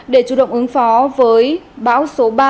để chủ động ứng phó với báo số ba